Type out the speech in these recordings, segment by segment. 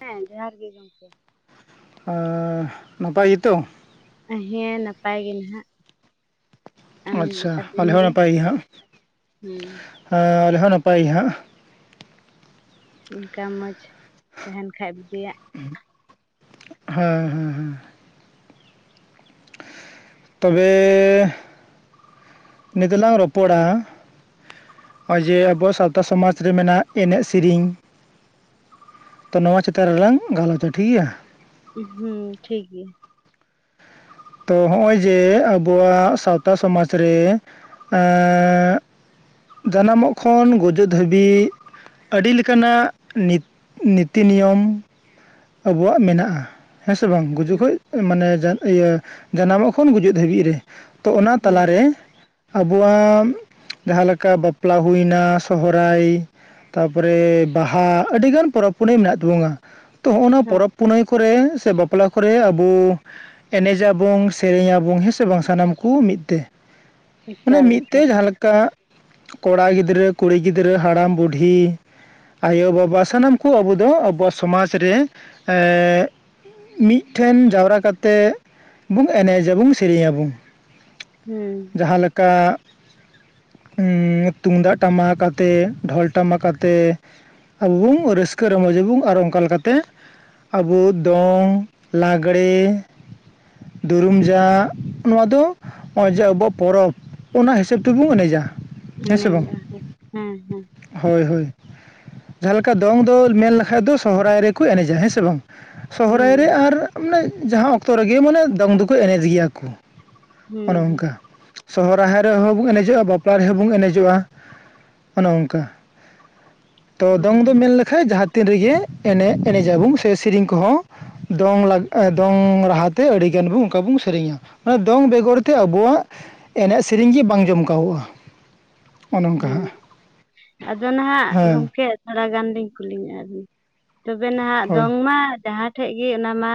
ᱦᱮᱸ ᱡᱚᱦᱟᱨ ᱜᱤ ᱜᱚᱝᱠᱮ᱾ ᱚᱸᱻ ᱱᱟᱯᱟᱭ ᱜᱤᱛᱚ᱾ ᱦᱮᱸ ᱱᱟᱯᱟᱭ ᱜᱮ ᱱᱟᱦᱟᱸᱜ᱾ ᱟᱪᱪᱷᱟ ᱟᱞᱮ ᱦᱚᱸ ᱱᱟᱯᱟᱭ ᱜᱮ ᱦᱟᱸᱜ ᱦᱮᱸ ᱦᱟᱞᱮ ᱦᱚᱸ ᱱᱟᱯᱟᱭ ᱜᱮ ᱦᱟᱸᱜ᱾ ᱩᱱᱠᱟ ᱢᱚᱡᱽ ᱛᱟᱦᱮᱱ ᱠᱷᱟᱡ ᱵᱩᱜᱤᱭᱟᱜ᱾ ᱦᱮᱸ ᱦᱮᱸ ᱦᱮᱸ᱾ ᱛᱚᱵᱮᱻ ᱱᱤᱫᱚᱞᱟᱝ ᱨᱚᱯᱚᱲᱟ᱾ ᱱᱚᱜ-ᱚᱭ ᱡᱮ ᱟᱵᱚ ᱥᱟᱶᱛᱟ ᱥᱚᱢᱟᱡᱽ ᱨᱮ ᱢᱮᱱᱟᱜ ᱮᱱᱮᱡ ᱥᱤᱨᱤᱧ᱾ ᱛᱚ ᱱᱚᱣᱟ ᱪᱮᱛᱟᱱ ᱨᱮ ᱞᱟᱝ ᱜᱟᱞᱚᱪᱟ ᱴᱷᱤᱠ ᱜᱮᱭᱟ᱾ ᱦᱩᱸ ᱴᱷᱤᱠ ᱜᱮᱭᱟ᱾ ᱛᱚ ᱦᱚᱸᱜᱼᱚᱭ ᱡᱮ ᱟᱵᱚᱣᱟᱜ ᱥᱟᱶᱛᱟ ᱥᱚᱢᱟᱡᱽ ᱨᱮ ᱟᱸᱻ ᱡᱟᱱᱟᱢᱚᱜ ᱠᱷᱚᱱ ᱜᱩᱡᱩᱜ ᱫᱷᱟᱹᱵᱤᱡ ᱟᱹᱰᱤ ᱞᱮᱠᱟ ᱱᱟᱜ ᱱᱤᱛ ᱱᱤᱛᱤ ᱱᱤᱭᱚᱢᱼᱼ ᱟᱹᱵᱩᱣᱟᱜ ᱢᱮᱱᱟᱜ-ᱟ ᱦᱮᱸ ᱥᱮ ᱵᱟᱝ ᱜᱩᱡᱩᱜ ᱠᱷᱚᱡ ᱢᱟᱱᱮ ᱡᱟ ᱤᱭᱟᱹᱼᱼ ᱡᱟᱱᱟᱢᱚᱜ ᱠᱷᱚᱱ ᱜᱩᱡᱩᱜ ᱫᱷᱟᱹᱵᱤᱡ ᱨᱮ ᱛᱚ ᱚᱱᱟ ᱦᱮᱸ ᱛᱟᱞᱟ ᱨᱮᱼᱼ ᱟᱵᱚᱣᱟᱜ‌ ᱡᱟᱦᱟᱸ ᱞᱮᱠᱟ ᱵᱟᱯᱞᱟ ᱦᱩᱭ ᱱᱟ ᱥᱚᱦᱨᱟᱭᱼᱼ ᱛᱟᱨᱯᱚᱨᱮ ᱵᱟᱦᱟ ᱟᱹᱰᱤ ᱜᱟᱱ ᱯᱚᱨᱚᱵᱽ ᱯᱩᱱᱟᱹᱭ ᱢᱮᱱᱟᱜ ᱛᱟᱹᱵᱩᱝᱟ᱾ ᱛᱚ ᱦᱚᱸᱜ ᱚᱱᱟ ᱦᱮᱸ ᱯᱚᱨᱚᱵᱽ ᱯᱩᱱᱟᱹᱭ ᱠᱚᱨᱮ ᱥᱮ ᱵᱟᱯᱞᱟ ᱠᱚᱨᱮ ᱟᱹᱵᱩ ᱮᱱᱮᱡᱟ ᱵᱚᱝ ᱥᱮᱨᱮᱧᱟ ᱵᱚᱝ ᱦᱮᱸᱥᱮ ᱵᱟᱝ ᱥᱟᱱᱟᱢ ᱠᱩ ᱢᱤᱫ ᱛᱮ᱾ ᱢᱟᱱᱮ ᱮᱠᱟᱞ ᱢᱤᱫ ᱛᱮ ᱮᱠᱟᱞ ᱡᱟᱦᱟᱸ ᱞᱮᱠᱟ ᱠᱚᱲᱟ ᱜᱤᱫᱽᱨᱟᱹ ᱠᱩᱲᱤ ᱜᱤᱫᱽᱨᱟᱹ ᱦᱟᱲᱟᱢ ᱵᱩᱰᱷᱦᱤ᱾ ᱟᱭᱚ ᱵᱟᱵᱟ ᱥᱟᱱᱟᱢ ᱠᱚ ᱟᱵᱚ ᱫᱚ ᱟᱵᱚᱣᱟᱜ ᱥᱚᱢᱟᱪ ᱨᱮ ᱮᱜ ᱢᱤᱫ ᱴᱷᱮᱱ ᱡᱟᱣᱨᱟ ᱠᱟᱛᱮᱜ ᱵᱩᱝ ᱮᱱᱮᱡᱟ ᱵᱩᱝ ᱥᱮᱨᱮᱧᱟ ᱵᱩᱝ᱾ ᱦᱩᱸ᱾ ᱡᱟᱦᱟᱸ ᱞᱮᱠᱟ᱾ ᱩᱸ ᱛᱩᱢᱫᱟᱜ ᱴᱟᱢᱟᱠ ᱟᱛᱮᱜ ᱰᱷᱚᱞ ᱴᱟᱢᱟᱠ ᱟᱛᱮᱜ᱾ ᱟᱵᱩ ᱵᱩᱝ ᱨᱟᱹᱥᱠᱟᱹ ᱨᱚᱢᱚᱡᱟ ᱵᱩᱝ ᱟᱨ ᱚᱱᱠᱟ ᱞᱮᱠᱟᱛᱼᱼ ᱛᱮ ᱟᱵᱩ ᱫᱚᱝ ᱞᱟᱜᱽᱲᱮ᱾ ᱫᱩᱨᱩᱢ ᱡᱟᱜ ᱱᱚᱶᱟ ᱫᱚ ᱱᱚᱜᱼᱚᱸᱭ ᱡᱮ ᱟᱵᱚᱣᱟᱜ ᱯᱚᱨᱚᱵᱽ ᱚᱱᱟ ᱦᱤᱥᱟᱹᱵ ᱛᱤᱵᱩᱝ ᱮᱱᱮᱡᱟ᱾ ᱮᱱᱮᱡᱚᱜ-ᱟ ᱦᱮ, ᱦᱮᱸ ᱦᱮᱸ᱾ ᱦᱚᱭ ᱦᱚᱭ ᱡᱟᱦᱟᱸ ᱞᱮᱠᱟ ᱫᱚᱝ ᱫᱚ ᱢᱮᱱ ᱞᱮᱠᱷᱟᱡ ᱫᱚ ᱥᱚᱦᱨᱟᱭ ᱨᱮᱼᱼ ᱠᱚ ᱮᱱᱮᱡᱟ ᱦᱮᱸ ᱥᱮ ᱵᱟᱝ ᱦᱮᱸ ᱥᱚᱦᱨᱟᱭ ᱨᱮ ᱟᱨ ᱢᱟᱱᱮ ᱡᱟᱦᱟᱸ ᱚᱠᱛᱚ ᱨᱮᱜᱮ ᱢᱟᱱᱮ ᱫᱚᱝ ᱫᱚᱠᱚ ᱮᱱᱮᱡ ᱜᱮᱭᱟ ᱠᱚ ᱚᱱᱮ ᱦᱮᱸ ᱚᱱᱠᱟ ᱥᱚᱦᱚ ᱨᱟᱦᱟᱭ ᱨᱮᱦᱚᱸ ᱵᱚᱱ ᱮᱱᱮᱡᱚᱜᱼᱟ ᱵᱟᱯᱞᱟ ᱨᱮᱦᱚᱸ ᱵᱚᱱ ᱮᱱᱮᱡᱚᱜᱼᱟ ᱚᱱᱮ ᱚᱱᱠᱟ ᱛᱚ ᱦᱮᱸ ᱫᱚᱝ ᱫᱚ ᱢᱮᱱ ᱞᱮᱠᱷᱟᱱ ᱡᱟᱦᱟᱸ ᱛᱤᱱ ᱨᱮᱜᱮ ᱮᱱᱮᱡ ᱮᱱᱮᱡ ᱟᱵᱚᱱ ᱥᱮ ᱥᱮᱨᱮᱧ ᱠᱚᱦᱚᱸ ᱫᱚᱝ [unintelligible] ᱫᱚᱝ ᱨᱟᱦᱟᱛᱮ ᱟᱹᱰᱤᱜᱟᱱ ᱵᱚᱱ ᱚᱱᱠᱟ ᱵᱚᱱ ᱥᱮᱨᱮᱧᱟ ᱚᱱᱟ ᱫᱚᱝ ᱵᱮᱜᱚᱨ ᱛᱮ ᱟᱵᱚᱣᱟᱜ ᱮᱱᱮᱡ ᱥᱮᱨᱮᱧ ᱜᱮ ᱵᱟᱝ ᱡᱚᱢᱠᱟᱜᱼᱟ ᱟᱫᱚ ᱱᱟᱦᱟᱸᱜ ᱦᱮᱸ ᱜᱚᱢᱠᱮ ᱛᱷᱚᱲᱟ ᱜᱟᱱ ᱞᱤᱧ ᱠᱩᱞᱤ ᱧᱚᱜ ᱮᱜ ᱵᱤᱱ ᱛᱚᱵᱮ ᱱᱟᱦᱟᱜ ᱦᱳᱭ ᱫᱚᱝ ᱢᱟ ᱡᱟᱦᱟᱸ ᱴᱷᱮᱡ ᱜᱮ ᱚᱱᱟ ᱢᱟ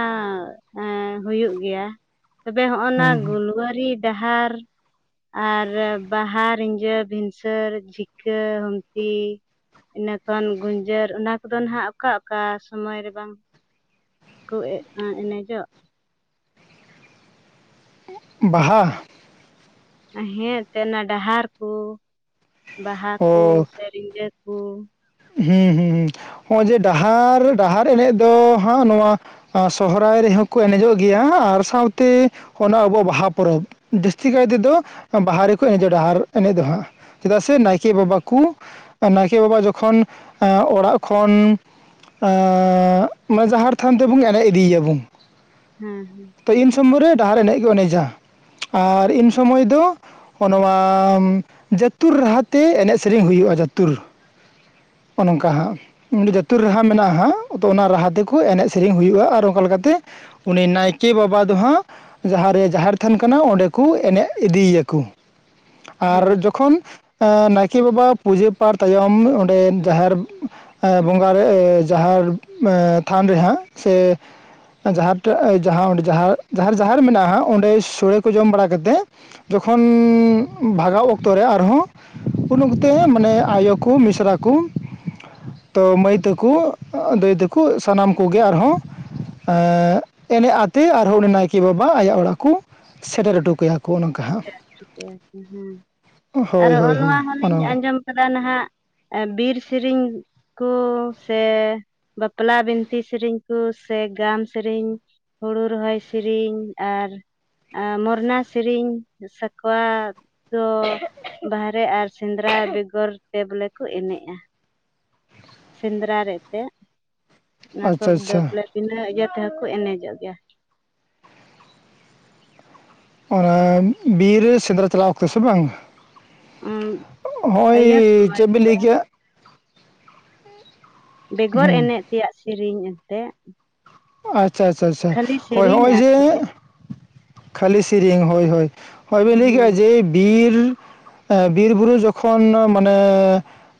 ᱦᱩᱭᱩᱜ ᱜᱮᱭᱟ ᱛᱚᱵᱮ ᱦᱚᱜᱼᱚ ᱱᱟ ᱦᱮᱸ ᱦᱮᱸ ᱜᱩᱞᱣᱟᱹᱨᱤ ᱰᱟᱦᱟᱨ ᱟᱨ ᱵᱟᱦᱟ ᱨᱤᱸᱡᱟᱸ ᱵᱷᱤᱱᱥ [unintelligible] ᱴᱷᱤᱠᱟᱹ ᱦᱛᱢᱯᱤ ᱤᱱᱟᱹᱠᱷᱚᱱ ᱜᱩᱡᱟᱹᱨ ᱚᱱᱟ ᱠᱚᱫᱚ ᱱᱟᱜ ᱚᱠᱟ ᱚᱠᱟ ᱥᱚᱢᱚᱭ ᱨᱮ ᱵᱟᱝ ᱠᱚ ᱮ ᱮᱱᱮᱡᱚᱜ ᱵᱟᱦᱟ ᱦᱮᱸ ᱮᱱᱛᱮ ᱚᱱᱟ ᱰᱟᱦᱟᱨ ᱠᱚ ᱵᱟᱦᱟ ᱚ ᱠᱚ ᱥᱮᱨᱮᱧ ᱟᱠᱚ ᱦᱩᱸ ᱦᱩᱸ ᱱᱚᱜᱼᱚᱭ ᱡᱮ ᱰᱟᱦᱟᱨ ᱰᱟᱦᱟᱨ ᱮᱱᱮᱡ ᱫᱚ ᱦᱟᱸᱜ ᱱᱚᱣᱟ ᱥᱚᱦᱨᱟᱭ ᱨᱮᱦᱚᱸ ᱠᱚ ᱮᱱᱮᱡᱚᱜ ᱜᱮᱭᱟ ᱟᱨ ᱥᱟᱸᱶᱛᱮ ᱚᱱᱟ ᱟᱵᱚᱣᱟᱜ ᱵᱟᱦᱟ ᱯᱚᱨᱚᱵᱽ ᱡᱟᱹᱥᱛᱤ ᱠᱟᱭ ᱛᱮᱫᱚ ᱵᱟᱦᱟ ᱨᱮᱠᱚ ᱮᱱᱮᱡ ᱰᱟᱦᱟᱨ ᱮᱱᱮᱡ ᱫᱚ ᱦᱟᱸᱜ ᱪᱮᱫᱟᱜ ᱥᱮ ᱱᱟᱭᱠᱮ ᱦᱮᱸ ᱵᱟᱵᱟ ᱠᱩ ᱱᱟᱭᱠᱮ ᱵᱟᱵᱟ ᱡᱚᱠᱷᱚᱱ ᱚᱲᱟᱜ ᱠᱷᱚᱱ ᱟᱸ ᱢᱟᱱᱮ ᱡᱟᱦᱮᱨ ᱛᱷᱟᱱ ᱛᱮᱵᱚᱱ ᱮᱱᱮᱡ ᱤᱫᱤᱭᱮᱭᱟᱵᱚᱱ ᱦᱮᱸ ᱦᱮᱸ ᱛᱚ ᱤᱱ ᱥᱚᱢᱚᱭ ᱨᱮ ᱰᱟᱦᱟᱨ ᱮᱱᱮᱡ ᱜᱮ ᱮᱱᱮᱡᱟ ᱟᱨ ᱤᱱ ᱥᱚᱢᱚᱭ ᱫᱚ ᱟᱸ ᱱᱚᱣᱟ ᱡᱟᱹᱛᱩᱨ ᱨᱟᱦᱟᱛᱮ ᱮᱱᱮᱡ ᱥᱮᱨᱮᱧ ᱦᱩᱭᱩᱜᱼᱟ ᱡᱟᱹᱛᱩᱨ ᱚᱱᱮ ᱱᱚᱝᱠᱟ ᱦᱟᱸᱜ ᱡᱟᱹᱛᱩᱨ ᱨᱟᱦᱟ ᱢᱮᱱᱟᱜᱼᱟ ᱦᱟᱸᱜ ᱛᱚ ᱚᱱᱟ ᱨᱟᱦᱟ ᱛᱮᱠᱚ ᱮᱱᱮᱡ ᱥᱮᱨᱮᱧ ᱦᱩᱭᱩᱜᱼᱟ ᱟᱨ ᱚᱱᱠᱟ ᱞᱮᱠᱟᱛᱮ ᱩᱱᱤ ᱱᱟᱭᱠᱮ ᱵᱟᱵᱟ ᱫᱚ ᱦᱟᱸᱜ ᱡᱟᱦᱟᱸᱨᱮ ᱡᱟᱦᱮᱨ ᱛᱷᱟᱱ ᱠᱟᱱᱟ ᱚᱸᱰᱮ ᱠᱚ ᱮᱱᱮᱡ ᱤᱫᱤᱭᱮᱭᱟᱠᱚ ᱟᱨ ᱦᱮᱸ ᱡᱚᱠᱷᱚᱱ ᱱᱟᱭᱠᱮ ᱵᱟᱵᱟ ᱯᱩᱡᱟᱹ ᱯᱟᱨ ᱛᱟᱭᱚᱢ ᱚᱸᱰᱮ ᱡᱟᱦᱮᱨ ᱵᱚᱸᱜᱟ ᱨᱮ ᱡᱟᱦᱮᱨ ᱛᱷᱟᱱ ᱨᱮ ᱦᱟᱸᱜ ᱥᱮ ᱡᱟᱦᱟᱴᱟᱜ ᱡᱟᱦᱟ ᱡᱟᱦᱮᱨ ᱢᱮᱱᱟᱜᱼᱟ ᱦᱟᱸᱜ ᱚᱸᱰᱮ ᱥᱳᱲᱮ ᱠᱚ ᱡᱚᱢ ᱵᱟᱲᱟ ᱠᱟᱛᱮᱜ ᱡᱚᱠᱷᱚᱱ ᱵᱷᱟᱜᱟᱣ ᱚᱠᱛᱚ ᱨᱮ ᱟᱨᱦᱚᱸ ᱩᱱᱛᱮ ᱢᱟᱱᱮ ᱟᱭᱳ ᱠᱚ ᱢᱤᱥᱨᱟ ᱠᱚ ᱛᱚ ᱢᱟᱹᱭ ᱛᱟᱠᱚ ᱫᱟᱹᱭ ᱛᱟᱠᱚ ᱥᱟᱱᱟᱢ ᱠᱚᱜᱮ ᱟᱨᱦᱚᱸ ᱮᱜ ᱮᱱᱮᱡ ᱟᱛᱮ ᱟᱨᱦᱚᱸ ᱩᱱᱤ ᱱᱟᱭᱠᱮ ᱵᱟᱵᱟ ᱟᱭᱟᱜ ᱚᱲᱟᱜ ᱠᱚ ᱥᱮᱴᱮᱨ ᱦᱚᱴᱚ ᱠᱟᱭᱟ ᱠᱚ ᱚᱱᱮ ᱚᱱᱠᱟ ᱦᱟᱸᱜ [unintelligible] ᱟᱨ ᱦᱳᱭ ᱦᱚᱸᱜ ᱚ ᱦᱳᱭ ᱱᱚᱣᱟ ᱦᱳᱭ ᱚᱱᱟ ᱦᱚᱞᱤᱧ ᱟᱸᱡᱚᱢ ᱠᱟᱫᱟ ᱱᱟᱦᱟᱸᱜ ᱵᱤᱨ ᱥᱤᱨᱤᱧ ᱠᱩ ᱥᱮ ᱵᱟᱯᱞᱟ ᱵᱤᱱᱛᱤ ᱥᱮᱨᱮᱧ ᱠᱚ ᱥᱮ ᱜᱟᱢ ᱥᱮᱨᱮᱧ ᱦᱩᱲᱩ ᱨᱚᱦᱚᱭ ᱥᱤᱨᱤᱧ ᱟᱨ ᱢᱚᱨᱱᱟᱥ ᱥᱮᱨᱮᱧ ᱥᱟᱠᱣᱟ ᱫᱚ ᱵᱟᱦᱨᱮ ᱟᱨ ᱥᱮᱸᱫᱽᱨᱟ ᱵᱮᱜᱚᱨ ᱛᱮ ᱵᱚᱞᱮ ᱠᱚ ᱮᱱᱮᱡᱼᱟ ᱥᱮᱸᱫᱽᱨᱟ ᱨᱮ ᱮᱱᱛᱮ [unintelligible] ᱟᱪᱪᱷᱟ ᱟᱪᱪᱷᱟ ᱵᱚᱞᱮ ᱵᱤᱱᱟᱹ ᱤᱭᱟᱹ ᱛᱮᱦᱚᱸ ᱠᱚ ᱮᱱᱮᱡᱚᱜ ᱜᱮᱭᱟ ᱚᱱᱟ ᱵᱤᱨ ᱨᱮ ᱥᱮᱸᱫᱽᱨᱟ ᱪᱟᱞᱟᱣ ᱚᱠᱛᱮ ᱥᱮ ᱵᱟᱝ ᱦᱚᱜ ᱚᱭ ᱤᱭᱟᱹ ᱥᱚᱢᱚᱭ ᱪᱮᱫ ᱵᱤᱱ ᱞᱟᱹᱭ ᱠᱮᱜ-ᱟ ᱵᱮᱜᱚᱨ ᱦᱩᱸ ᱮᱱᱮᱡ ᱛᱮᱭᱟᱜ ᱥᱮᱨᱮᱤ ᱮᱱᱛᱮ ᱟᱪᱪᱷᱟ ᱟᱪᱪᱷᱟᱷᱟ ᱦᱳᱭ ᱥᱮᱨᱮᱧ ᱦᱚᱜᱼᱚᱭ ᱟᱨ ᱪᱮᱫ ᱡᱮ ᱦᱮᱸ ᱠᱷᱟᱹᱞᱤ ᱥᱮᱨᱮᱧ ᱦᱳᱭ ᱦᱳᱭ ᱦᱚᱜᱚᱭ ᱵᱤᱱ ᱞᱮᱭ ᱠᱮᱜ-ᱟ ᱦᱮᱸ ᱡᱮ ᱵᱤᱨ, ᱵᱤᱨ ᱵᱩᱨᱩ ᱡᱚᱠᱷᱚᱱ ᱢᱟᱱᱮ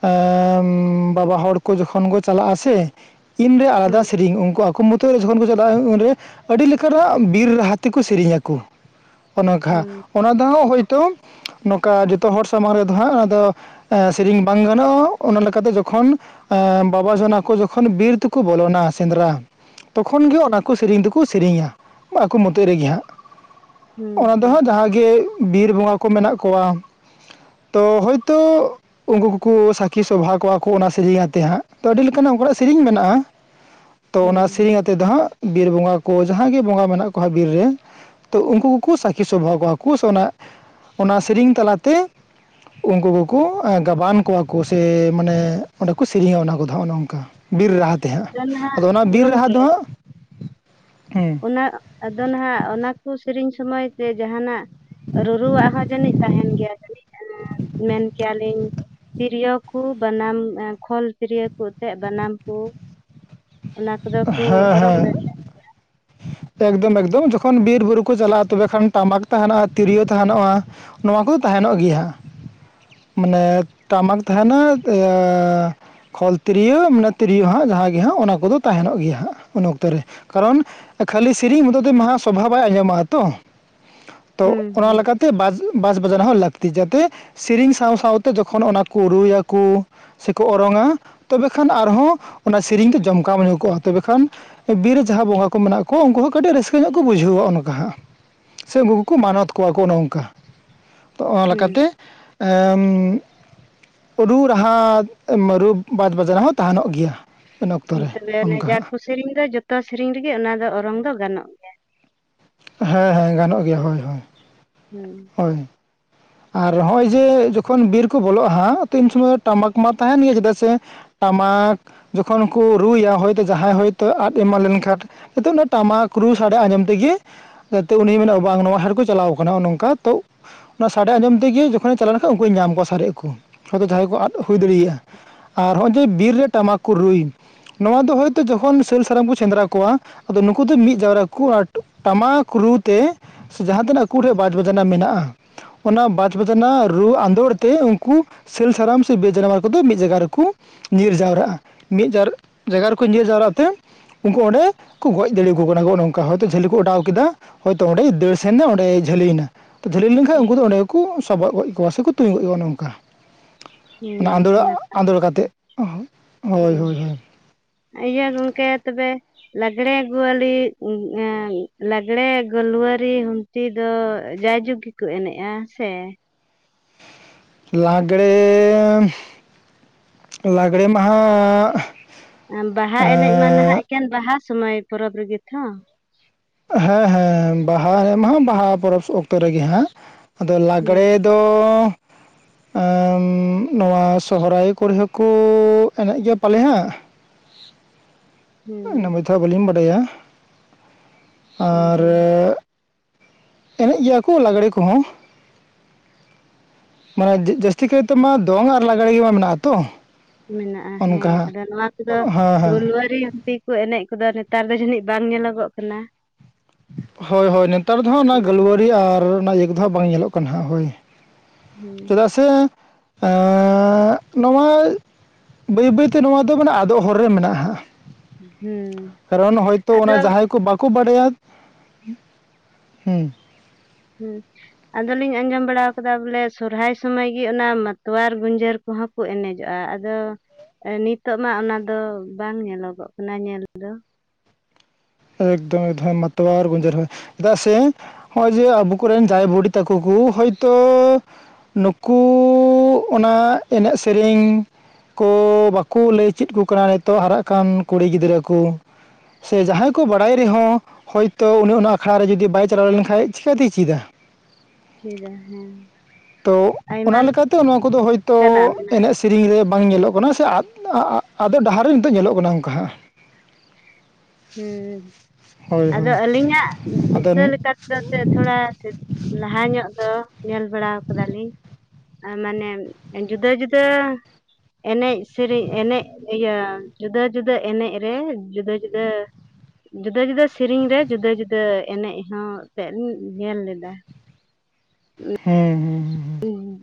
ᱟᱸ ᱵᱟᱵᱟ ᱦᱚᱲ ᱠᱚ ᱡᱚᱠᱷᱚᱱ ᱠᱚ ᱪᱟᱞᱟᱜᱼᱟ ᱥᱮ ᱤᱧᱨᱮ ᱟᱞᱟᱫᱟ ᱥᱮᱨᱮᱧ ᱩᱱᱠᱩ ᱟᱠᱚ ᱢᱩᱚᱛ [unintelligible] ᱡᱚᱠᱷᱚᱱ ᱠᱚ ᱪᱟᱞᱟᱜᱼᱟ ᱩᱱᱨᱮ ᱟᱹᱰᱤ ᱞᱮᱠᱟᱱᱟᱜ ᱵᱤᱨ ᱨᱟᱦᱟ ᱛᱮ ᱠᱚ ᱥᱮᱨᱮᱧ ᱟᱠᱚ ᱚᱱᱮᱠᱷᱟ ᱦᱮᱸ ᱚᱱᱟ ᱫᱚᱸ ᱦᱳᱭᱛᱳ ᱱᱚᱝᱠᱟ ᱡᱚᱛᱚ ᱦᱚᱲ ᱥᱟᱢᱟᱝ ᱨᱮᱫᱚ ᱦᱟᱸᱜ ᱚᱱᱟ ᱫᱚ ᱮᱸ ᱥᱮᱨᱮᱧ ᱵᱟᱝ ᱜᱟᱱᱚᱜᱼᱟ ᱚᱱᱟ ᱞᱮᱠᱟᱛᱮ ᱡᱚᱠᱷᱚᱱ ᱵᱟᱵᱟ ᱡᱚᱱᱟ ᱠᱚ ᱡᱚᱠᱷᱚᱱ ᱵᱤᱨ ᱛᱮᱠᱚ ᱵᱚᱞᱚᱱᱟ ᱥᱮᱸᱫᱽᱨᱟ ᱛᱚᱠᱷᱚᱱ ᱜᱮ ᱚᱱᱟ ᱠᱚ ᱥᱮᱨᱮᱧ ᱫᱚᱠᱚ ᱥᱮᱨᱮᱧᱟ ᱟᱠᱚ ᱢᱚᱫᱷᱮ ᱨᱮᱜᱮ ᱦᱟᱸᱜ ᱚᱱᱟ ᱫᱚ ᱦᱮᱸ ᱦᱟᱸᱜ ᱡᱟᱦᱟᱸᱜ ᱜᱮ ᱵᱤᱨ ᱵᱚᱸᱜᱟ ᱠᱚ ᱢᱮᱱᱟᱜ ᱠᱚᱣᱟᱜ ᱛᱚ ᱦᱳᱭᱛᱳ ᱩᱱᱠᱩ ᱠᱚᱠᱚ ᱥᱟᱹᱠᱷᱤ ᱥᱚᱵᱷᱟ ᱠᱚᱣᱟ ᱠᱩ ᱚᱱᱟ ᱥᱮᱨᱮᱧ ᱟᱛᱮᱫ ᱦᱟᱸᱜ ᱛᱚ ᱟᱹᱰᱤ ᱞᱮᱠᱟᱱᱟᱜ ᱚᱝᱠᱟᱱᱟᱜ ᱥᱮᱨᱮᱹᱧ ᱢᱮᱱᱟᱜᱼᱟ [unintelligible] ᱛᱚ ᱚᱱᱟ ᱥᱮᱨᱮᱧ ᱟᱛᱮᱫ ᱫᱚ ᱦᱟᱸᱜ ᱵᱤᱨ ᱵᱚᱸᱜᱟ ᱠᱚ ᱡᱟᱦᱟᱸᱭ ᱜᱮ ᱵᱚᱸᱜᱟ ᱢᱮᱱᱟᱜ ᱠᱚᱣᱟᱸᱜ ᱵᱤᱨ ᱨᱮ ᱛᱚ ᱩᱱᱠᱩ ᱠᱚᱠᱚ ᱥᱟᱹᱠᱷᱤ ᱥᱚᱵᱷᱟ ᱠᱚᱣᱟ ᱠᱩ ᱥᱮ ᱚᱱᱟ ᱥᱮᱨᱮᱧ ᱛᱟᱞᱟᱛᱮ ᱩᱱᱠᱩ ᱠᱚᱠᱚ ᱜᱟᱵᱟᱱ ᱠᱚᱣᱟ ᱠᱚ ᱥᱮ ᱢᱟᱱᱮ ᱚᱸᱰᱮ ᱠᱚ ᱥᱮᱨᱮᱧᱟ ᱚᱱᱟ ᱠᱚᱫᱚᱜ ᱚᱱᱮ ᱚᱝᱠᱟ ᱵᱤᱨ ᱨᱟᱦᱟ ᱛᱮᱦᱟᱸᱜ ᱱᱟᱦᱟᱜ ᱟᱫᱚ ᱚᱱᱟ ᱵᱤᱨ ᱨᱟᱦᱟ ᱜᱚᱢᱠᱮ ᱫᱚ ᱦᱟᱸᱜ ᱦᱸ ᱟᱫᱚ ᱱᱟᱦᱟᱜ ᱚᱱᱟ ᱠᱚ ᱥᱮᱨᱮᱧ ᱥᱚᱢᱚᱭ ᱛᱮ ᱡᱟᱦᱟᱸᱟᱱᱟᱜ ᱨᱩᱨᱩᱣᱟᱜ ᱦᱚᱸ ᱡᱟᱹᱱᱤᱡ ᱛᱟᱦᱮᱱ ᱜᱮᱭᱟ ᱡᱟᱹᱱᱤᱡ ᱢᱮᱱ ᱠᱮᱭᱟ ᱞᱤᱧ ᱛᱤᱨᱭᱳ ᱠᱚ ᱵᱟᱱᱟᱢ ᱠᱷᱚᱞ ᱛᱤᱨᱭᱳ ᱠᱚ ᱛᱮᱜ ᱵᱟᱱᱟᱢ ᱠᱚ ᱚᱱᱟ ᱠᱚᱫᱚ ᱠᱚ ᱦᱮᱸ ᱚᱨᱚᱝ ᱦᱮᱸ ᱫᱟᱲᱮᱭᱟᱜᱼᱟ [inaudible] ᱮᱠᱫᱚᱢ- ᱮᱠᱫᱚᱢ ᱡᱚᱠᱷᱚᱱ ᱵᱤᱨᱼᱵᱩᱨᱩ ᱠᱚ ᱪᱟᱞᱟᱜᱼᱟ ᱛᱚᱵᱮ ᱠᱷᱟᱱ ᱴᱟᱢᱟᱠ ᱛᱟᱦᱮᱱᱟᱼᱟ ᱛᱤᱨᱭᱳ ᱛᱟᱦᱮᱱᱚᱼᱟ ᱱᱚᱣᱟ ᱠᱚ ᱛᱟᱦᱮᱱᱚᱜ ᱜᱮᱭᱟ ᱦᱟᱸᱜ ᱢᱟᱱᱮ ᱴᱟᱢᱟᱠ ᱛᱟᱦᱮᱱᱟ ᱤᱭᱟᱹ ᱠᱷᱚᱞ ᱛᱤᱨᱭᱳ ᱢᱟᱱᱮ ᱛᱤᱨᱭᱳ ᱦᱟᱸᱜ ᱡᱟᱦᱟᱸ ᱜᱮ ᱦᱟᱸᱜ ᱚᱱᱟ ᱠᱚᱫᱚ ᱛᱟᱦᱮᱱᱚᱜ ᱜᱮᱭᱟ ᱦᱟᱸᱜ ᱩᱱ ᱚᱠᱛᱚ ᱨᱮ ᱠᱟᱨᱚᱱ ᱠᱷᱟᱹᱞᱤ ᱥᱼᱼ ᱛᱤᱨᱤᱧ ᱢᱚᱫᱚᱫ ᱛᱮ ᱢᱟᱦᱟ ᱥᱚᱵᱷᱟ ᱵᱟᱭ ᱟᱸᱡᱚᱢᱚᱜᱼᱟ ᱛᱚ ᱛᱚ ᱦᱩᱸ ᱚᱱᱟ ᱦᱩᱸ ᱞᱮᱠᱟᱛᱮ ᱛᱮ ᱵᱟᱡᱽ ᱵᱟᱡᱽᱱᱟ ᱦᱚᱸ ᱞᱟᱹᱠᱛᱤ ᱡᱟᱛᱮ ᱥᱮᱨᱮᱧ ᱥᱟᱶ ᱥᱟᱶᱛᱮ ᱡᱚᱠᱷᱚᱱ ᱚᱱᱟ ᱠᱚ ᱨᱩᱭᱟᱠᱚ ᱥᱮᱠᱚ ᱚᱨᱚᱝᱟ ᱛᱚᱵᱮ ᱠᱷᱟᱱ ᱟᱨᱦᱚᱸ ᱚᱱᱟ ᱥᱮᱨᱮᱧ ᱛᱮ ᱡᱚᱢᱠᱟᱣ ᱛᱚᱵᱮ ᱠᱷᱟᱱ ᱵᱤᱨ ᱡᱟᱦᱟᱸ ᱵᱚᱸᱜᱟ ᱠᱚ ᱢᱮᱱᱟᱜ ᱠᱚᱣᱟ ᱩᱱᱠᱩ ᱠᱟᱹᱴᱤᱡ ᱨᱟᱹᱥᱠᱟᱹ ᱧᱚᱜ ᱠᱚ ᱵᱩᱡᱷᱟᱹᱣᱟ ᱚᱱᱠᱟ ᱦᱟᱸᱜ ᱥᱮ ᱩᱱᱠᱩ ᱠᱚᱠᱚ ᱢᱟᱱᱚᱛ ᱠᱚᱣᱟ ᱠᱚ ᱚᱱᱚᱝᱠᱟ ᱚᱱᱟ ᱞᱮᱠᱟᱛᱮ ᱨᱩ ᱨᱟᱦᱟ ᱨᱩ ᱵᱟᱡ ᱵᱟᱡᱱᱟ ᱦᱚᱸ ᱛᱟᱦᱮᱱᱚᱜ ᱜᱮᱭᱟ ᱤᱱ ᱚᱠᱛᱚ ᱨᱮ ᱛᱚᱵᱮ ᱚᱱᱮ ᱚᱱᱠᱟ ᱡᱟ ᱦᱟᱸᱜ ᱠᱚ ᱥᱮᱨᱮᱧ ᱫᱟ ᱡᱚᱛᱚ ᱥᱮᱨᱮᱧ ᱨᱮᱜᱮ ᱚᱱᱟ ᱫᱚ ᱚᱨᱚᱝ ᱫᱚ ᱜᱟᱱᱚᱜ ᱜᱮᱭᱟ ᱦᱮᱸ ᱦᱮᱸ ᱜᱟᱱᱚᱜ ᱜᱮᱭᱟ ᱦᱳᱭ ᱦᱳᱭ ᱦᱩᱸ ᱦᱳᱭ ᱟᱨ ᱱᱚᱜᱼᱚᱭ ᱡᱮ ᱡᱚᱠᱷᱚᱱ ᱵᱤᱨ ᱠᱚ ᱵᱚᱞᱚᱜᱼᱟ ᱤᱱ ᱥᱚᱢᱚᱭ ᱴᱟᱢᱟᱠ ᱢᱟ ᱛᱟᱦᱮᱱ ᱜᱮ ᱪᱮᱫᱟᱜ ᱥᱮ ᱴᱟᱢᱟᱠ ᱡᱚᱠᱷᱚᱱ ᱠᱚ ᱨᱩᱭᱟ ᱦᱚᱭᱛᱳ ᱡᱟᱦᱟᱸᱭ ᱦᱚᱳᱭᱛᱳ ᱟᱫ ᱮᱢᱟᱱ ᱞᱮᱱ ᱠᱷᱟᱱ ᱱᱤᱛᱚᱜ ᱚᱱᱟ ᱴᱟᱢᱟᱠ ᱨᱩ ᱥᱟᱰᱮ ᱟᱸᱡᱚᱢ ᱛᱮᱜᱮ ᱡᱟᱛᱮ ᱩᱱᱤ ᱢᱮᱱᱟ ᱵᱟᱝ ᱱᱚᱣᱟ ᱟᱦᱟᱨ ᱠᱚ ᱪᱟᱞᱟᱣ ᱠᱟᱱᱟ ᱱᱚᱜᱼᱚ ᱱᱚᱝᱠᱟ ᱛᱚ ᱚᱱᱟ ᱥᱟᱰᱮ ᱟᱸᱡᱚᱢ ᱛᱮᱜᱮ ᱡᱚᱠᱷᱚᱱᱮ ᱪᱟᱞᱟᱣ ᱞᱮᱱᱠᱷᱟᱱ ᱩᱱᱠᱩᱧ ᱧᱟᱢ ᱠᱚᱣᱟ ᱥᱟᱨᱮᱡ ᱟᱠ ᱦᱚᱭ ᱡᱟᱦᱟᱸᱭ ᱠᱚ ᱟᱫ ᱦᱩᱭ ᱫᱟᱲᱮᱭᱟᱜᱼᱟ ᱟᱨ ᱱᱚᱜᱼᱚᱭ ᱡᱮ ᱵᱤᱨ ᱨᱮ ᱴᱟᱢᱟᱠ ᱠᱚ ᱨᱩᱭ ᱱᱚᱣᱟ ᱫᱚ ᱦᱚᱭᱛᱚ ᱡᱚᱠᱷᱚᱱ ᱥᱤᱹᱞ ᱥᱟᱨᱟᱢ ᱠᱚ ᱥᱮᱸᱫᱽᱨᱟ ᱠᱚᱣᱟ ᱟᱫᱚ ᱱᱩᱠᱩ ᱫᱚ ᱢᱤᱫ ᱡᱟᱣᱨᱟ ᱠᱩ ᱴᱟᱢᱟᱠ ᱨᱩᱛᱮ ᱡᱟᱦᱟᱸ ᱛᱤᱱᱟᱹᱜ ᱟᱠᱩ ᱴᱮ ᱵᱟᱡᱽ ᱵᱟᱡᱽᱱᱟ ᱢᱮᱱᱟᱜᱼᱟ ᱚᱱᱟ ᱵᱟᱡᱽ ᱵᱟᱡᱽᱱᱟ ᱨᱩ ᱟᱸᱫᱳᱲ ᱛᱮ ᱩᱱᱠᱩ ᱥᱮᱞ ᱥᱟᱨᱢ ᱥᱮ ᱵᱤᱨ ᱡᱟᱱᱣᱟᱨ ᱠᱚᱫᱚ ᱢᱤᱫ ᱡᱟᱭᱜᱟ ᱨᱮᱠᱚ ᱧᱤᱨ ᱡᱟᱣᱨᱟᱜᱼᱟ ᱢᱤᱫ ᱡᱟᱭᱜᱟ ᱨᱮᱠᱚ ᱧᱤᱨ ᱡᱟᱣᱨᱟᱜ ᱛᱮ ᱩᱱᱠᱩ ᱚᱸᱰᱮ ᱠᱚ ᱜᱚᱡᱽ ᱫᱟᱲᱮᱭᱟ ᱠᱚ ᱠᱟᱱᱟ ᱠᱚ ᱦᱳᱭᱛᱳ ᱡᱷᱟᱹᱞᱤ ᱠᱚ ᱚᱰᱟᱣ ᱠᱮᱫᱟᱹ ᱦᱚᱭᱛᱳ ᱚᱸᱰᱮ ᱫᱟᱹᱲ ᱥᱮᱱ ᱮᱱᱟ ᱚᱸᱰᱮᱭ ᱡᱷᱟᱹᱞᱤᱭᱱᱟ ᱛ ᱡᱷᱟᱹᱞᱤ ᱞᱮᱱᱟᱱ ᱦᱩᱸ ᱩᱱᱠᱩ ᱫᱚ ᱚᱸᱰᱮ ᱠᱩ ᱥᱚᱵᱚᱜ ᱜᱚᱡᱽ ᱠᱚᱣᱟ ᱥᱮᱠᱚ ᱛᱩᱧ ᱜᱚᱡᱽ ᱠᱚᱣᱟ ᱱᱚᱝᱠᱟ ᱚᱱᱟ ᱟᱸᱫᱳᱲᱟ ᱦᱩᱸ, ᱱᱟᱯᱟᱭ ᱟᱸᱫᱳᱲ ᱠᱟᱛᱮ ᱠᱟᱛᱷᱟ᱾ ᱦᱳᱭ ᱦᱩᱸ ᱦᱳᱭ ᱦᱳᱭ ᱤᱭᱟᱹ ᱜᱚᱝᱠᱮ ᱛᱚᱵᱮ ᱞᱟᱜᱽᱲᱮ ᱜᱩᱣᱞᱤ ᱞᱟᱜᱽᱲᱮ ᱜᱩᱞᱣᱟᱨᱤ ᱛᱤ ᱫᱚ ᱡᱟᱭᱡᱩᱜᱽ ᱜᱮᱠᱚ ᱮᱱᱮᱡᱼᱟ ᱥᱮ ᱞᱟᱜᱽᱲᱮ ᱞᱟᱜᱽᱲᱮ ᱢᱟᱦᱟ ᱵᱟᱦᱟ ᱮᱱᱮᱡ ᱢᱟ ᱱᱟᱦᱟᱜ ᱮᱠᱷᱮᱱ ᱵᱟᱦᱟ ᱥᱚᱢᱚᱭ ᱯᱚᱨᱚᱵᱽ ᱨᱮᱜᱮ ᱛᱚ ᱦᱮᱸ ᱦᱮᱸ ᱵᱟᱦᱟ ᱨᱮᱢᱟ ᱵᱟᱦᱟ ᱯᱚᱨᱚᱵᱽ ᱚᱠᱛᱚ ᱨᱮᱜᱮ ᱦᱟᱸ ᱟᱫᱚ ᱦᱩᱸ ᱞᱟᱜᱽᱲᱮ ᱫᱚ [unintelligible] ᱮᱸ ᱱᱚᱣᱟ ᱥᱚᱦᱚᱨᱟᱭ ᱠᱚᱨᱮ ᱦᱚᱸᱠᱚ ᱮᱱᱮᱡ ᱜᱮᱭᱟ ᱯᱟᱞᱮ ᱦᱟᱸᱜ ᱦᱩᱸ [unintelligible] ᱵᱟᱞᱤᱧ ᱵᱟᱰᱟᱭᱟ ᱟᱨ ᱦᱮᱸ ᱮ ᱮᱱᱮᱡ ᱜᱮᱭᱟ ᱠᱩ ᱞᱟᱜᱽᱬᱮ ᱠᱩᱦᱚᱸ ᱢᱟᱱᱮ ᱡᱟᱹᱥᱛᱤ ᱠᱟᱹᱭᱛᱮ ᱢᱟ ᱫᱚᱝ ᱟᱨ ᱞᱟᱜᱽᱬᱮ ᱜᱮ ᱢᱮᱱᱟᱜ ᱟᱛᱚ ᱢᱮᱱᱟᱜ-ᱟ ᱦᱮᱸ ᱟᱫᱚ ᱱᱚᱣᱟ ᱠᱩᱫᱚ ᱦᱮᱸ ᱦᱮᱸ ᱜᱳᱞᱣᱟᱹᱨᱤ ᱛᱤ ᱠᱚ ᱮᱱᱮᱡ ᱠᱚᱫᱚ ᱱᱮᱛᱟᱨ ᱫᱚ ᱡᱟᱹᱱᱤᱡ ᱵᱟᱝ ᱧᱮᱞᱚᱜᱚᱜ ᱠᱟᱱᱟ, ᱦᱳᱭ ᱦᱳᱭ ᱱᱮᱛᱟᱨ ᱫᱚ ᱦᱟᱸᱜ ᱚᱱᱟ ᱜᱟᱹᱞᱣᱟᱹᱨᱤ ᱟᱨ ᱚᱱᱟ ᱤᱭᱟᱹ ᱫᱚ ᱦᱟᱸᱜ ᱵᱟᱝ ᱧᱮᱞᱚᱜ ᱠᱟᱱᱟ ᱦᱟᱸᱜ ᱦᱳᱭ᱾ ᱦᱩᱸ ᱪᱮᱫᱟᱜ ᱥᱮ ᱮᱸ ᱱᱚᱣᱟ ᱵᱟᱹᱭ ᱵᱟᱹᱭᱛᱮ ᱱᱚᱣᱟ ᱫᱚ ᱢᱟᱱᱮ ᱟᱫᱚᱜ ᱦᱚᱨ ᱨᱮ ᱢᱮᱱᱟᱜ-ᱟ ᱦᱟᱸᱜ, ᱦᱩᱸ ᱠᱟᱨᱚᱱ ᱦᱚᱭᱛᱚ ᱚᱱᱟ ᱟᱫᱚ ᱡᱟᱦᱟᱸᱭ ᱠᱩ ᱵᱟᱠ ᱠᱩ ᱵᱟᱲᱟᱭᱟ ᱦᱩᱸ ᱦᱩᱸ ᱟᱫᱚᱞᱤᱧ ᱟᱸᱡᱚᱢ ᱵᱟᱲᱟ ᱟᱠᱟᱫᱟ ᱵᱚᱞᱮ ᱥᱚᱨᱦᱟᱭ ᱥᱚᱢᱚᱭ ᱜᱤ ᱚᱱᱟ ᱢᱟᱛᱣᱟᱨ ᱜᱩᱧᱡᱟᱹᱨ ᱠᱩᱦᱚᱸ ᱠᱩ ᱮᱱᱮᱡᱚᱜ-ᱟ ᱟᱫᱚ ᱱᱤᱛᱚᱜ ᱢᱟ ᱚᱱᱟᱫᱚ ᱵᱟᱝ ᱧᱮᱞᱚᱜᱚᱜ ᱠᱟᱱᱟ ᱧᱮᱞ ᱫᱚ ᱮᱠᱫᱚᱢ ᱮᱠᱫᱷᱚᱢ ᱢᱟᱛᱚᱣᱟᱨ ᱜᱩᱧᱡᱟᱹᱨ ᱦᱚᱸ ᱪᱮᱫᱟᱜ ᱥᱮ, ᱚᱭ ᱡᱮ ᱟᱵᱩ ᱠᱩᱨᱮᱱ ᱫᱟᱭ ᱵᱩᱰᱤ ᱛᱟᱠᱩ ᱠᱩ ᱦᱚᱭᱛᱚ ᱱᱩᱠᱩ ᱚᱱᱟ ᱮᱱᱮᱡ ᱥᱤᱨᱤᱧ ᱠᱩ ᱵᱟᱠᱩ ᱞᱟᱹᱭ ᱪᱮᱫ ᱠᱩ ᱠᱟᱱ ᱱᱤᱛᱚᱜ ᱦᱟᱨᱟᱜ ᱠᱟᱱ ᱠᱩᱲᱤ ᱜᱤᱫᱽᱨᱟᱹ ᱠᱩ᱾ ᱥᱮ ᱡᱟᱦᱟᱸᱭ ᱠ ᱠᱩ ᱵᱟᱲᱟᱭ ᱨᱮᱦᱚᱸ ᱦᱚᱭᱛᱚ ᱩᱱᱤ ᱚᱱᱟ ᱟᱠᱷᱲᱟ ᱨᱮ ᱡᱩᱫᱤ ᱵᱟᱭ ᱪᱟᱞᱟᱣ ᱞᱮᱱᱠᱷᱟᱡ ᱪᱤᱠᱟᱹᱛᱮᱭ ᱪᱤᱫᱟ? ᱪᱤᱫᱟᱭ ᱦᱟᱸ ᱛᱚ ᱚᱱᱟ ᱞᱮᱠᱟᱛᱮ ᱱᱚᱣᱟ ᱠᱩᱫᱚ ᱦᱚᱭᱛᱚ ᱞᱮᱠᱟᱱᱟᱜ ᱢᱮᱱᱟᱜᱼᱟ ᱮᱱᱮᱡ ᱥᱮ ᱥᱤᱨᱤᱧ ᱨᱮ ᱵᱟᱝ ᱧᱮᱞᱚᱜ ᱠᱟᱱᱟ ᱥᱮ ᱟᱫ ᱟ ᱟᱫᱚ ᱰᱟᱦᱟᱨ ᱨᱮ ᱱᱤᱛᱚᱜ ᱧᱮᱞᱚᱜ ᱠᱟᱱᱟ ᱚᱝᱠᱟ ᱦᱟᱜ ᱦᱩᱸᱦᱩᱸ ᱦᱳᱭ ᱟᱫᱚ ᱦᱳᱭ ᱟᱹᱞᱤᱧᱟᱜ ᱟᱫᱚ ᱫᱤᱥᱟᱹ ᱦᱩᱸ ᱞᱮᱠᱟ ᱛᱮᱫᱚ ᱮᱛ ᱛᱷᱚᱲᱟ ᱞᱟᱦᱟ ᱧᱚᱜ ᱫᱚ ᱧᱮᱞ ᱵᱟᱲᱟ ᱠᱟᱫᱟᱞᱤᱧ ᱟ ᱢᱟᱱᱮ ᱡᱩᱫᱟᱹ ᱡᱩᱫᱟᱹ ᱮᱱᱮᱡ ᱥᱮᱨᱮᱧ ᱮᱱᱮᱡ ᱤᱭᱟᱹ ᱡᱩᱫᱟᱹ ᱡᱩᱫᱟᱹ ᱮᱱᱮᱡ ᱨᱮ ᱡᱩᱫᱟᱹ ᱡᱩᱫ ᱦᱮᱸ ᱡᱩᱫᱟᱹ ᱡᱩᱫᱟᱹ ᱥᱤᱨᱤᱧ ᱨᱮ ᱡᱩᱫᱟᱹ ᱡᱩᱫᱟᱹ ᱮᱱᱮᱡ ᱦᱚᱸ ᱮᱸᱛᱮ ᱤᱧ ᱧᱮᱞ ᱞᱮᱫᱟ, [inaudible] ᱦᱮᱸ ᱦᱮᱸ ᱦᱮᱸ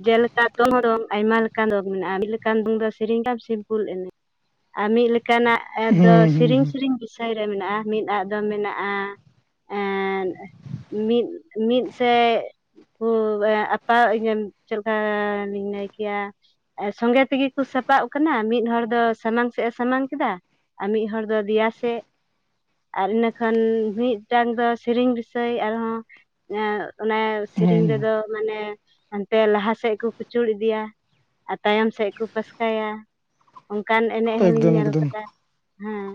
ᱡᱮᱞᱮᱠᱟ ᱫᱚᱱᱦᱚᱫᱚᱝ ᱟᱭᱢᱟ ᱞᱮᱠᱟᱱ ᱫᱚᱝ ᱢᱮᱱᱟᱜ-ᱟ ᱢᱤᱫᱞᱮᱠᱟᱱ ᱵᱩᱫᱟᱹ ᱥᱮᱨᱮᱧ ᱨᱮ ᱥᱤᱢᱯᱩᱞ ᱮᱱᱮᱡ ᱟᱨ ᱢᱤᱫ ᱞᱮᱠᱟᱱᱟᱜ ᱫᱚ ᱦᱩᱸ ᱥᱤᱨᱤᱧ ᱥᱤᱨᱤᱧ ᱵᱤᱥᱤ ᱥᱟᱹᱭ ᱨᱮ ᱢᱮᱱᱟᱜ-ᱟ ᱢᱤᱫ ᱟᱜ ᱫᱚ ᱢᱮᱱᱟᱜ-ᱟ ᱮᱸᱫ ᱢᱤᱫ ᱢᱤᱫᱥᱮᱡ ᱠᱩ ᱮᱸ ᱟᱯ ᱯᱟᱧᱮᱢ ᱪᱮᱫᱠᱟ ᱞᱤᱧ ᱞᱟᱹᱭ ᱠᱮᱭᱟ ᱥᱚᱸᱜᱮ ᱛᱮᱜᱮ ᱠᱩ ᱥᱟᱯᱟᱵ ᱠᱟᱱᱟ ᱢᱤᱫ ᱦᱚᱲ ᱫᱚ ᱥᱟᱢᱟᱝ ᱥᱮᱫ ᱮ ᱥᱟᱢᱟᱝ ᱠᱮᱫᱟ, ᱟᱨ ᱢᱤᱫ ᱦᱚᱲ ᱫᱚ ᱫᱮᱭᱟ ᱥᱮᱫ ᱟᱨ ᱤᱱᱟᱹᱠᱷᱟᱱ ᱢᱤᱫᱴᱟᱝ ᱫᱚ ᱥᱮᱨᱮᱧ ᱵᱤᱥᱚᱭ ᱟᱨᱦᱚᱸ ᱮᱸ ᱚᱱᱮ ᱥᱤᱨᱤᱧ ᱦᱩᱸ ᱨᱮᱫᱚ ᱢᱟᱱᱮ ᱦᱟᱱᱛᱮ ᱞᱟᱦᱟᱥᱮᱫ ᱠᱩ ᱠᱩᱪᱩᱲ ᱤᱫᱤᱭᱟ ᱟᱨ ᱛᱟᱭᱚᱢ ᱥᱮᱫ ᱠᱩ ᱯᱟᱥᱠᱟᱭᱟ ᱚᱱᱠᱟᱱ ᱮᱱᱮᱡ ᱦᱩᱸ ᱦᱚᱞᱤᱧ ᱮᱠᱫᱚᱢ ᱧᱮᱞ ᱮᱠᱫᱚᱢ ᱠᱟᱫᱟ ᱦᱮᱸ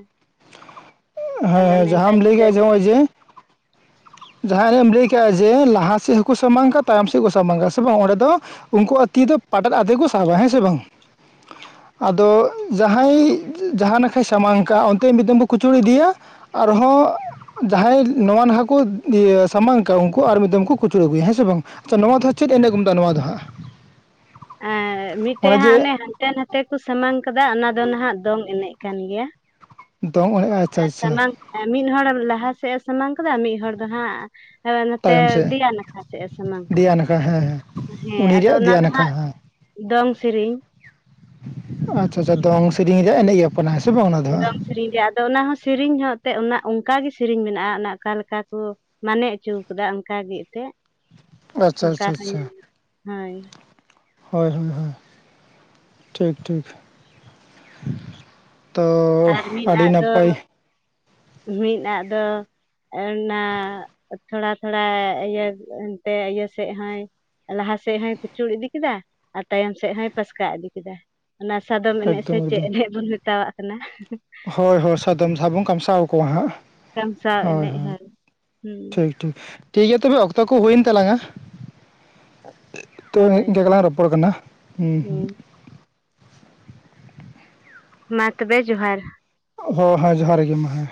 ᱟᱫᱚ ᱦᱮᱸ ᱚᱱᱮ ᱚᱱᱠᱟ ᱡᱟᱦᱟᱸᱢ ᱞᱟᱹᱭ ᱡᱩᱫᱟᱹ ᱠᱮᱫᱼᱟ ᱡᱮ ᱱᱚᱜᱼᱚᱭ ᱡᱮ [inaudible] ᱡᱟᱦᱟᱸ ᱮᱱᱮᱡ ᱮᱢ ᱞᱟᱹᱭ ᱠᱟᱜ-ᱟ ᱡᱮ ᱞᱟᱦᱟ ᱥᱮᱫ ᱦᱚᱸᱠᱩ ᱥᱟᱢᱟᱝ ᱠᱟ ᱛᱟᱭᱚᱢ ᱥᱮᱫ ᱠᱩ ᱥᱟᱢᱟᱝ ᱥᱮ ᱵᱟᱝ ᱱᱚᱜ-ᱚ ᱱᱚᱸᱰᱮ ᱫᱚ ᱩᱱᱠᱩ ᱟᱜ ᱛᱤ ᱫᱚ ᱯᱟᱴᱮᱫ ᱟᱛᱮᱜ ᱠᱩ ᱥᱟᱵᱟ ᱦᱮᱸ ᱥᱮ ᱵᱟᱝ? ᱟᱫᱚ ᱡᱟᱦᱟᱸᱭ ᱡᱟᱦᱟᱸ ᱱᱟᱠᱷᱟᱭ ᱥᱟᱢᱟᱝ ᱠᱟᱜ-ᱟ ᱚᱱᱛᱮ ᱢᱤᱫ ᱫᱚᱢᱵᱚ ᱠᱩᱪᱩᱲ ᱤᱫ ᱤᱫᱤᱭᱟ ᱟᱨᱦᱚᱸ ᱡᱟᱦᱟᱸᱭ ᱱᱚᱣᱟ ᱱᱟᱦᱟ ᱠᱩ ᱤᱭᱟᱹ ᱥᱟᱢᱟᱝ ᱠᱟᱜ-ᱟ ᱩᱝᱠᱩ ᱟᱨ ᱢᱤᱫ ᱫᱚᱢ ᱠᱩ ᱠᱩᱪᱩᱲ ᱟᱹᱜᱩᱭᱟ ᱦᱮᱸ ᱥᱮ ᱵᱟᱝ? ᱟᱪᱷᱟ ᱱᱚᱣᱟ ᱫᱚ ᱦᱟᱸᱜ ᱪᱤᱫ ᱮᱱᱮᱡ ᱠᱩ ᱢᱮᱛᱟᱜ-ᱟ ᱱᱚᱣᱟ ᱫᱚ ᱦᱟᱸᱜ? ᱮᱸ ᱢᱤᱫᱴᱮ ᱦᱟᱸᱜ ᱚᱱᱮ ᱦᱟᱱᱛᱮ ᱱᱟᱛᱮ ᱠᱩ ᱥᱟᱢᱟᱝ ᱠᱟᱫᱟ ᱚᱱᱟ ᱫᱚ ᱱᱟᱦᱟᱜ ᱫᱚᱝ ᱮᱱᱮᱡ ᱠᱟᱱ ᱜᱮᱭᱟ᱾ ᱫᱚᱝ ᱮᱲᱮᱡᱼᱟ [unintelligible] ᱥᱟᱢᱟᱝ ᱢᱤᱫ ᱦᱚᱲᱚᱲ ᱞᱟᱦᱟ ᱥᱮᱫ ᱮ ᱥᱟᱢᱟᱝ ᱠᱮᱫᱟᱟ ᱢᱤᱫ ᱦᱚᱲ ᱫᱚ ᱦᱟᱸᱜ ᱦᱮᱸᱱᱚᱛᱮ ᱛᱟᱭᱚᱢ ᱥᱮᱫ ᱫᱮᱭᱟ ᱱᱟᱠᱷᱟ ᱥᱮᱫ ᱮ ᱥᱟᱢᱟᱝ ᱠᱟᱫᱟ ᱫᱮᱭᱟ ᱦᱮᱸ ᱱᱟᱠᱷᱟ ᱦᱮᱸ ᱦᱮᱸ ᱟᱫᱚ ᱩᱱᱤᱭᱟᱜ ᱚᱱᱟ ᱫᱮᱭᱟ ᱫᱚ ᱦᱟᱸᱜ ᱱᱟᱠᱷᱟ ᱦᱮᱸ ᱫᱚᱝ ᱥᱮᱨᱮᱤᱧ ᱟᱪᱪᱷᱟ ᱟᱪᱪᱷᱟ ᱫᱚᱝ ᱥᱮᱨᱮᱧ ᱨᱮᱭᱟᱜ ᱮᱱᱮᱡ [unintelligible] ᱦᱮᱸ ᱥᱮ ᱵᱟᱝ ᱚᱱᱟ ᱫᱚᱦᱟᱸᱜ ᱥᱮᱨᱮᱤᱧ ᱨᱮᱭᱟᱜ ᱟᱫᱚ ᱚᱱᱟ ᱦᱚᱸ ᱥᱮᱨᱮᱤᱧ ᱦᱚᱸ ᱮᱱᱛᱮᱫ ᱚᱱᱟ ᱚᱱᱠᱟᱜᱮ ᱥᱮᱨᱮᱤᱧ ᱢᱮᱱᱟᱜᱼᱟ ᱚᱠᱟ ᱞᱮᱠᱟ ᱠᱚ ᱢᱟᱱᱮ ᱦᱚᱪᱚᱠᱟᱫᱟ ᱚᱱᱠᱟᱜᱮ ᱮᱱᱛᱮᱫ ᱦᱟᱸᱜ ᱟᱪᱪᱷᱟ ᱚᱱᱠᱟ ᱟᱪᱪᱷᱟ ᱦᱚᱸ ᱟᱪᱪᱷᱟ ᱦᱳᱭ ᱦᱳᱭ ᱦᱳᱭ ᱦᱳᱭ ᱴᱷᱤᱠ ᱴᱷᱤᱠ ᱛᱚ ᱟᱨ ᱢᱤᱫ ᱟᱹᱰᱤ ᱟᱜ ᱫᱚ ᱱᱟᱯᱟᱭ ᱢᱤᱫ ᱟᱫ ᱫᱚ- ᱚᱱᱟ ᱛᱷᱚᱲᱟ ᱛᱷᱚᱲᱟ ᱤᱭᱟᱹ ᱮᱱᱛᱮᱫ ᱤᱭᱟᱹ ᱥᱮᱫ ᱦᱚᱸᱭ ᱞᱟᱦᱟᱥᱮᱫ ᱦᱚᱭ ᱠᱩᱪᱩᱲ ᱤᱫᱤ ᱠᱮᱫᱟ ᱟᱨ ᱛᱟᱭᱚᱢ ᱥᱮᱫ ᱦᱚᱭ ᱯᱟᱥᱠᱟ ᱤᱫᱤ ᱠᱮᱫᱟ ᱚᱱᱟ ᱥᱟᱫᱚᱢ ᱮᱱᱮᱡ ᱥᱮ ᱮᱠᱫᱚᱢ ᱪᱮᱫ ᱮᱠᱫᱚᱢ ᱮᱱᱮᱡ ᱵᱚᱱ ᱢᱮᱛᱟᱣᱟᱜ ᱠᱟᱱᱟ ᱦᱳᱭ ᱦᱳᱭ ᱥᱟᱫᱚᱢ ᱡᱟᱦᱟᱵᱩᱱ ᱠᱟᱢᱥᱟᱣ ᱠᱚᱣᱟ ᱦᱟᱸᱜ ᱠᱟᱢᱥᱟᱣ ᱦᱳᱭ ᱮᱱᱮᱡ ᱦᱳᱭ ᱦᱳᱭ ᱴᱷᱤᱠ ᱴᱷᱤᱠ ᱜᱮᱭᱟ ᱛᱚᱵᱮ ᱚᱠᱛᱚ ᱠᱚ ᱦᱩᱭᱮᱱ ᱛᱟᱞᱟᱝᱼᱟ ᱛᱚ ᱦᱳᱭ ᱤᱱᱠᱟᱹ ᱜᱮᱞᱟᱝ ᱨᱚᱯᱚᱲ ᱠᱟᱱᱟ ᱦᱩᱸ ᱢᱟ ᱛᱚᱵᱮ ᱡᱚᱦᱟᱨ ᱚ ᱦᱮᱸ ᱡᱚᱦᱟᱨ ᱜᱮ ᱢᱟ ᱦᱮᱸ